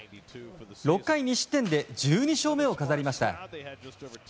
６回２失点で１２勝目を飾りました。